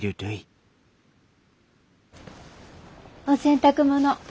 お洗濯物